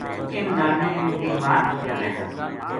اِنھ لانیاں نے ویہ مار چھُڑیا وھے گا